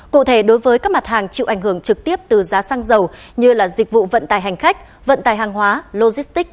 cụ thể đối với các mặt hàng chịu ảnh hưởng trực tiếp từ giá xăng dầu như dịch vụ vận tải hành khách vận tài hàng hóa logistic